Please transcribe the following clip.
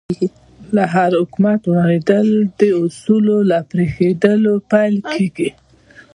د هر حکومت ورانېدل د اصولو له پرېښودلو پیل کېږي.